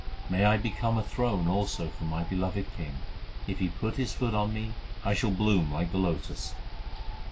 May I become a throne also for my Beloved King. If He put His foot on me, I shall bloom like the lotus.